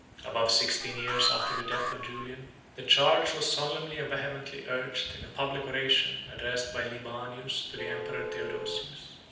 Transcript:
134 Above sixteen years after the death of Julian, the charge was solemnly and vehemently urged, in a public oration, addressed by Libanius to the emperor Theodosius.